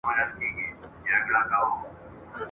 یوه ورځ وو پیر بازار ته راوتلی !.